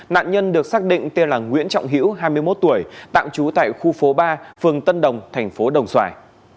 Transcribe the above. nạn nhân được xác định tên là nguyễn trọng hữu hai mươi một tuổi tạm trú tại khu phố ba phường tân đồng thành phố đồng xoài